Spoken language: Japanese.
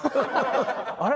あれ？